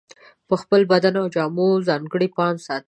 په خپل بدن او جامو ځانګړی پام ساتي.